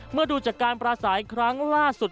เมื่อดูจากการประสายครั้งล่าสุด